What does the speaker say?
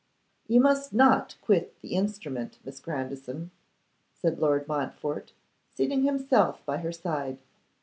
'You must not quit the instrument, Miss Grandison,' said Lord Montfort, seating himself by her side.